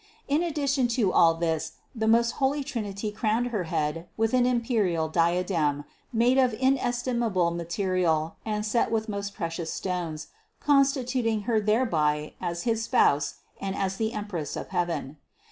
In addition to all this the most holy Trinity crowned her head with an imperial diadem, made of inestimable material and set with most precious stones, constituting Her thereby as his Spouse and as the Empress of heaven.